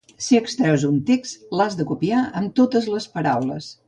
Si extreus un text l'has de copiar amb totes les paraules